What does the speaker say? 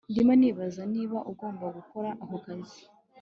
Ndimo nibaza niba ugomba gukora ako kazi